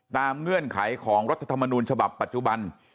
เงื่อนไขของรัฐธรรมนูญฉบับปัจจุบัน